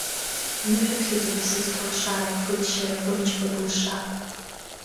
Бныҳәаԥхьӡоуп исызҭо алшара, быччара, бымч, ба былша.